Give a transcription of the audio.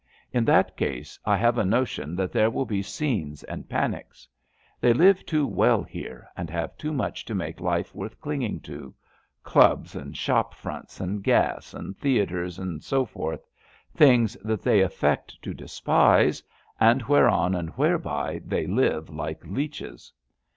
In that case I have a notion that there will be scenes and panics. They live too well here, and have too much to make life worth clinging to — clubs, and shop fronts, and gas, and theatres and so forth — ^things that they affect to despise, and whereon and whereby they live like leeches.